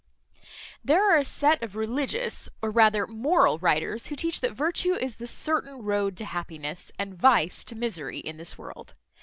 There are a set of religious, or rather moral writers, who teach that virtue is the certain road to happiness, and vice to misery, in this world.